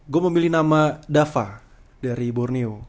gue memilih nama dava dari borneo